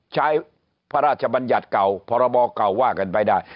ใช้พระราชบัญญัติเก่าพรบเก่าว่ากันไปได้